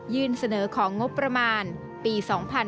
เสนอของงบประมาณปี๒๕๕๙